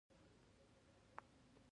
خبرې کولې، ووېشتل شي، بیا نو چې کله.